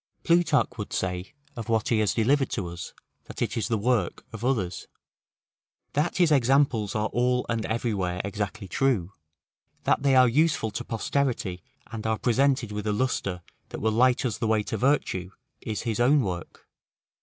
Plutarch would say of what he has delivered to us, that it is the work of others: that his examples are all and everywhere exactly true: that they are useful to posterity, and are presented with a lustre that will light us the way to virtue, is his own work.